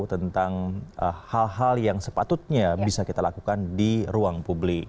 tentang hal hal yang sepatutnya bisa kita lakukan di ruang publik